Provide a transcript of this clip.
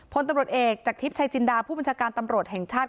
พลตำรวจเอกจากทริปชายจินดาผู้บัญชาการตำรวจแห่งชาติ